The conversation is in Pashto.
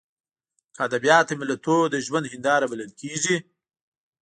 که ادبیات د ملتونو د ژوند هینداره بلل کېږي.